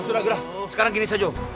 sudah gerah sekarang gini saja